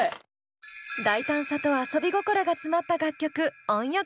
大胆さと遊び心が詰まった楽曲